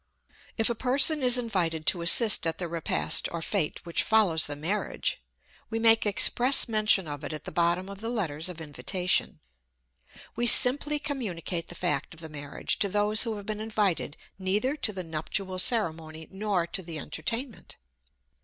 If a person is invited to assist at the repast or fête which follows the marriage, we make express mention of it at the bottom of the letters of invitation. We simply communicate the fact of the marriage to those who have been invited neither to the nuptial ceremony, nor to the entertainment.